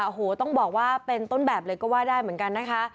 โอ้โหต้องบอกว่าเป็นต้นแบบเลยก็ว่าได้เหมือนกันนะคะ